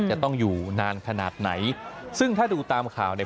จะต้องอยู่นานขนาดไหนซึ่งถ้าดูตามข่าวเนี่ย